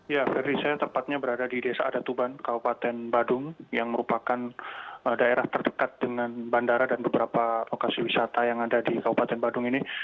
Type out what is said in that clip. ya ferdi saya tepatnya berada di desa adatuban kabupaten badung yang merupakan daerah terdekat dengan bandara dan beberapa lokasi wisata yang ada di kabupaten badung ini